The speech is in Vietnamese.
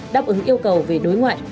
đáp ứng yêu cầu về đối ngoại